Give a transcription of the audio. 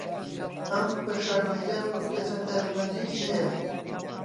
ئەم گروپە شانۆیییە کوردییە چەند تایبەتمەندییەکی هەیە